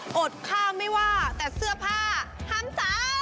อดข้าวไม่ว่าแต่เสื้อผ้าทำใจ